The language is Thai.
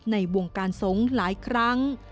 ในวงการทรงหลายครั้ง